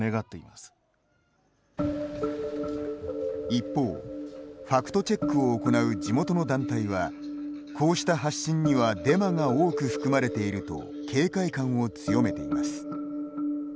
一方、ファクトチェックを行う地元の団体はこうした発信にはデマが多く含まれていると警戒感を強めています。